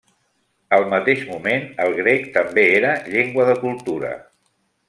Al mateix moment, el grec també era llengua de cultura.